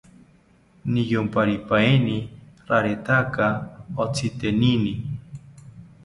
Niyomparipaeni raretaka otzitenini